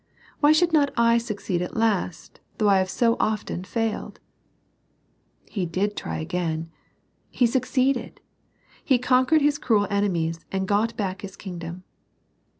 Why should not I succeed at last, though I have so often failed ?" He did try again. He succeeded. He con quered his cruel enemies, and got back his kingdom.